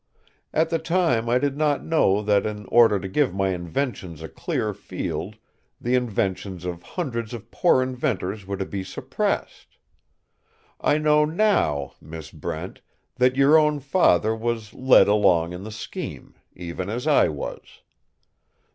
"At the time I did not know that in order to give my inventions a clear field the inventions of hundreds of poor inventors were to be suppressed. I know now, Miss Brent, that your own father was led along in the scheme, even as I was.